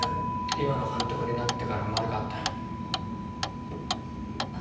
今の監督になってから生まれ変わったあああっ